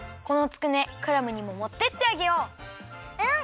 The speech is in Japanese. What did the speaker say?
このつくねクラムにももってってあげよう。